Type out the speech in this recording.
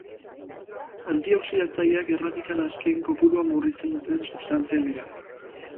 Antioxidatzaileak erradikal askeen kopurua murrizten duten substantziak dira.